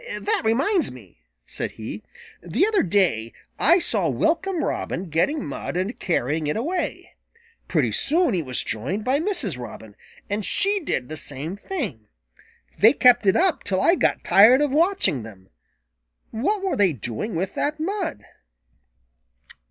"That reminds me," said he. "The other day I saw Welcome Robin getting mud and carrying it away. Pretty soon he was joined by Mrs. Robin, and she did the same thing. They kept it up till I got tired of watching them. What were they doing with that mud?"